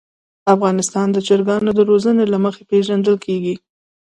افغانستان د چرګانو د روزنې له مخې پېژندل کېږي.